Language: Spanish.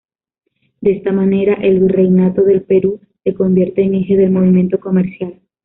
De esta manera, el "Virreinato del Perú" se convierte en eje del movimiento comercial.